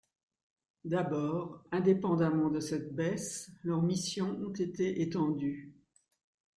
D’abord, indépendamment de cette baisse, leurs missions ont été étendues.